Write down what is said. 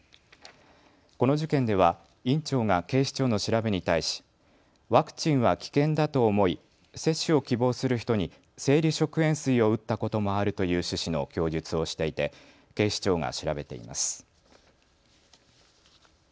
この事件では院長が警視庁の調べに対しワクチンは危険だと思い接種を希望する人に生理食塩水を打ったこともあるという趣旨の供述をしていて警視庁が調べています。